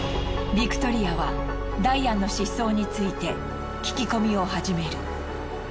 ビクトリアはダイアンの失踪について聞き込みを始める。